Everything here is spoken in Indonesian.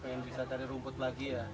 pengen bisa cari rumput lagi ya